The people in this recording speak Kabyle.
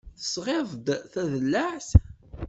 Tesɣiḍ-d tadellaɛt?